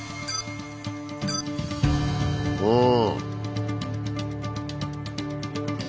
うん。